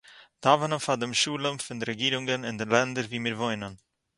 דאַווענען פאַר דעם שלום פון די רעגירונגען אין די לענדער וואו מיר וואוינען